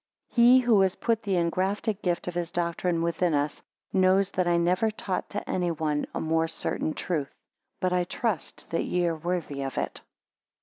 14 He who has put the engrafted gift of his doctrine within us, knows that I never taught to anyone a more certain truth: but I trust that ye are worthy of it.